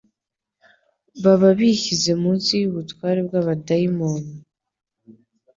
baba bishyize munsi y'ubutware bw'abadayimoni.